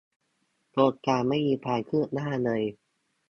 โครงการไม่มีความคืบหน้าเลย